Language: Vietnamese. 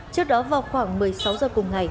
trước đó vào khoảng một mươi sáu giờ cùng ngày